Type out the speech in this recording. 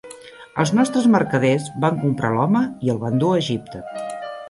Els nostres mercaders van comprar l'home i el van dur a Egipte.